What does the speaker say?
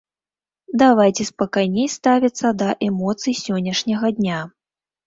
Давайце спакайней ставіцца да эмоцый сённяшняга дня.